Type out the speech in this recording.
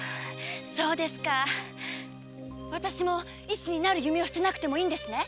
そうですか私も医師になる夢を捨てなくてもいいんですね。